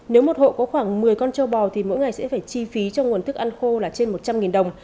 nếu một hộ có khoảng một mươi con trâu bò thì mỗi ngày sẽ phải chi phí cho nguồn thức ăn khô là trên một trăm linh đồng